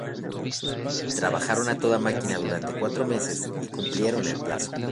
Trabajaron a toda máquina durante cuatro meses y cumplieron el plazo.